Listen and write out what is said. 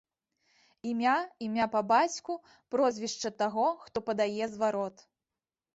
Імя, імя па бацьку, прозвішча таго, хто падае зварот.